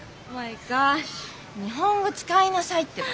日本語使いなさいってば。